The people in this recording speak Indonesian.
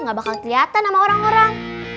gak bakal kelihatan sama orang orang